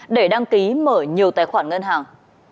để đăng ký mở nhiều tài khoản ngân hàng